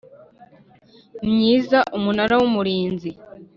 myiza Umunara w Umurinzi